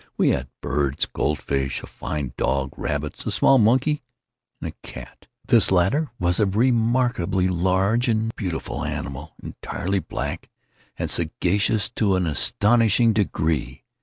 We had birds, gold fish, a fine dog, rabbits, a small monkey, and a cat. This latter was a remarkably large and beautiful animal, entirely black, and sagacious to an astonishing degree.